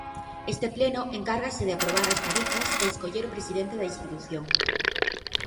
Este pleno encárgase de aprobar as tarefas e escoller o presidente da institución.